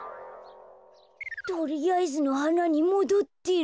とりあえずのはなにもどってる。